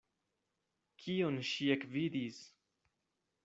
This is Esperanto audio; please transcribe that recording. Kion ŝi ekvidis!